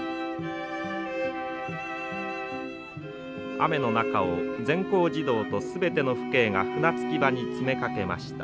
雨の中を全校児童と全ての父兄が船着き場に詰めかけました。